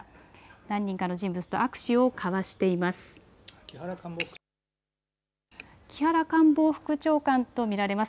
何人かの人物と握手を交わしています。